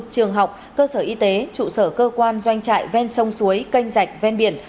trường học cơ sở y tế trụ sở cơ quan doanh trại ven sông suối canh rạch ven biển